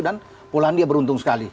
dan polandia beruntung sekali